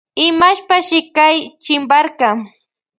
Imashpashi kay chimparka.